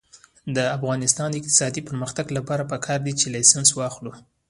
د افغانستان د اقتصادي پرمختګ لپاره پکار ده چې لایسنس واخلو.